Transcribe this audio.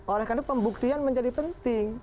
oleh karena pembuktian menjadi penting